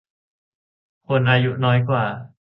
คนอายุน้อยกว่า